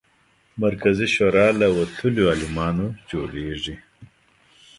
مرکزي شورا له وتلیو عالمانو جوړېږي.